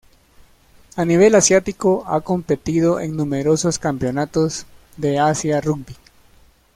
A nivel asiático ha competido en numerosos campeonatos de Asia Rugby.